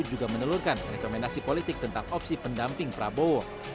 juga menelurkan rekomendasi politik tentang opsi pendamping prabowo